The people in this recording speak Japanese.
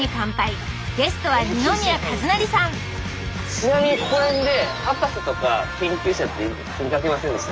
ちなみにここら辺で博士とか研究者って見かけませんでした？